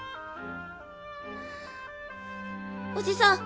おじさん！